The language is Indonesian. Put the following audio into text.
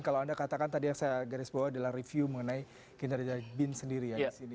kalau anda katakan tadi yang saya garisbawah adalah review mengenai kinerja bin sendiri ya